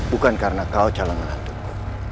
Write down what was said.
bukan karena kau calon menantuku